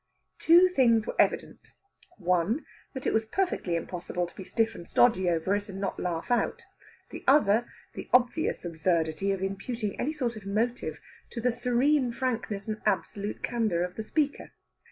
Two things were evident. One was that it was perfectly impossible to be stiff and stodgy over it, and not laugh out. The other, the obvious absurdity of imputing any sort of motive to the serene frankness and absolute candour of the speaker.